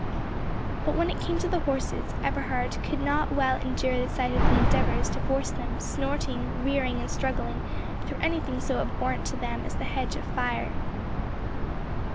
But when it came to the horses, Eberhard could not well endure the sight of the endeavours to force them, snorting, rearing, and struggling, through anything so abhorrent to them as the hedge of fire.